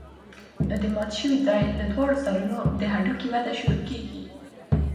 نو د مات شوي ځاى له دواړو سرونو د هډوکي وده شروع کېږي.